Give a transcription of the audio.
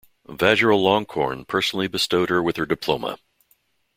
Vajiralongkorn personally bestowed her with her diploma.